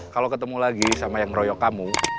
kalo ketemu lagi sama yang royok kamu